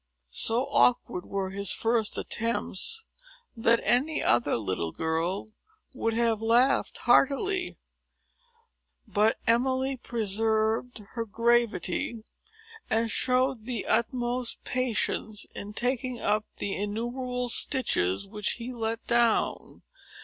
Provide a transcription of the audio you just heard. So awkward were his first attempts, that any other little girl would have laughed heartily. But Emily preserved her gravity, and showed the utmost patience in taking up the innumerable stitches which he let down.